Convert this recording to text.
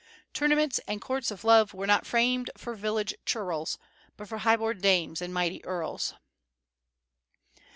"Tournaments and courts of love were not framed for village churls, but for high born dames and mighty earls."